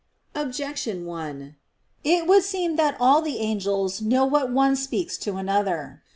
Objection 1: It would seem that all the angels know what one speaks to another.